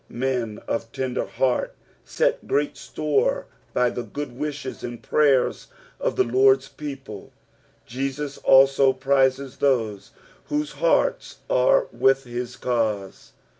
Hen of tender heart set great store by the good wishes and prayers of the Lord's peD]>lo. Jesus also prizes those whose hearts are with his cause.